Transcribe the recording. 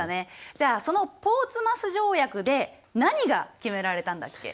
じゃあそのポーツマス条約で何が決められたんだっけ？